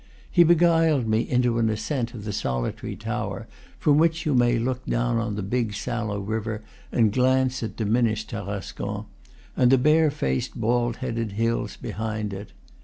He beguiled me into an ascent of the solitary tower, from which you may look down on the big sallow river and glance at diminished Tarascon, and the barefaced, bald headed hills behind it.